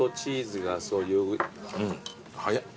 早っ。